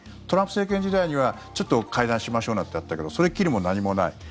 トランプ政権時代にはちょっと会談しましょうなんてあったけどそれきり、もう何もない。